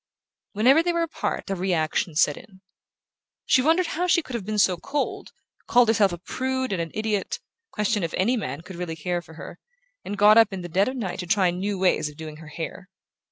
Whenever they were apart a reaction set in. She wondered how she could have been so cold, called herself a prude and an idiot, questioned if any man could really care for her, and got up in the dead of night to try new ways of doing her hair.